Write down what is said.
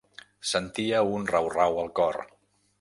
Sentia un rau-rau al cor.